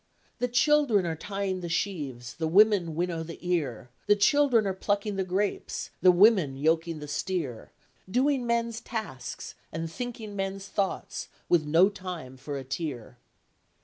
"The children are tying the sheaves, the women winnow the ear, The children are plucking the grapes, the women yoking the steer, Doing men's tasks, and thinking men's thoughts, with no time for a tear."